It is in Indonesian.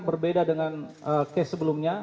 berbeda dengan kes sebelumnya